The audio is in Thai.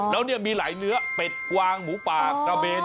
แล้วเนี่ยมีหลายเนื้อเป็ดกวางหมูป่ากระเบน